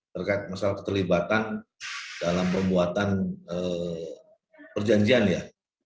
terkait masalah keterlibatan dalam pembuatan perjanjiannya